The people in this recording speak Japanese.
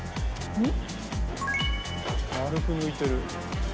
うん？